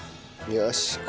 よし。